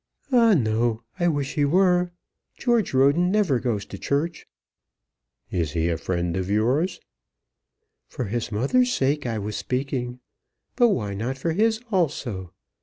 "Ah, no; I wish he were. George Roden never goes to church." "Is he a friend of yours?" "For his mother's sake I was speaking; but why not for his also?